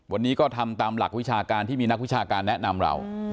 วันนี้ก็ทำตามหลักวิชาการที่มีนักวิชาการแนะนำเรา